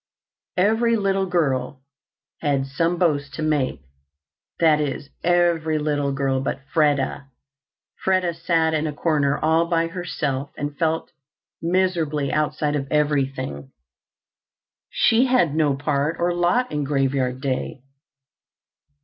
Every little girl had some boast to make, that is, every little girl but Freda. Freda sat in a corner all by herself and felt miserably outside of everything. She had no part or lot in Graveyard Day.